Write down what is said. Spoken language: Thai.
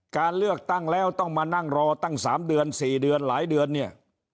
การเลือกตั้งแล้วต้องมานั่งรอตั้ง๓เดือน๔เดือนหลายเดือนเนี่ย